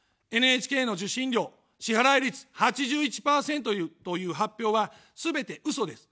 ＮＨＫの受信料、支払い率８１％という発表は、すべてうそです。